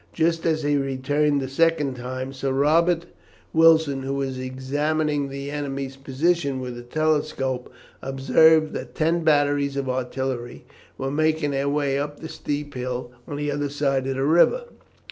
Just as he returned the second time, Sir Robert Wilson, who was examining the enemy's position with a telescope, observed that ten batteries of artillery were making their way up the steep hill on the other side of the river.